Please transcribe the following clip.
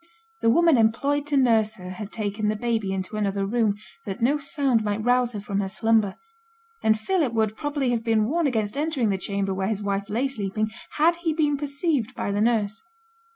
The woman employed to nurse her had taken the baby into another room that no sound might rouse her from her slumber; and Philip would probably have been warned against entering the chamber where his wife lay sleeping had he been perceived by the nurse.